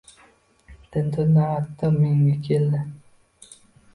Tintuv navbati menga keldi.